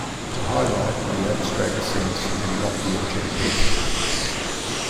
To highlight the abstract sense and not the objective.